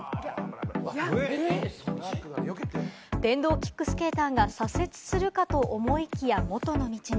電動キックスケーターが左折するかと思いきや、元の道に。